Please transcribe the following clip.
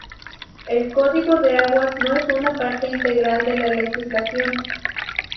El Código de Aguas no es una parte integral de la legislación.